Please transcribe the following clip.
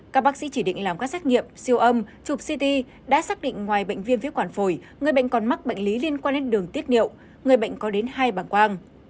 các bác sĩ chỉ định làm các xét nghiệm siêu âm chụp ct đã xác định ngoài bệnh viêm phế quản phổi người bệnh còn mắc bệnh lý liên quan đến đường tiết niệu người bệnh có đến hai bảng quang